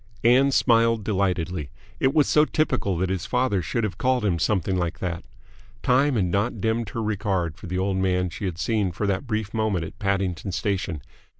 Ann smiled delightedly. It was so typical that his father should have called him something like that. Time had not dimmed her regard for the old man she had seen for that brief moment at Paddington Station.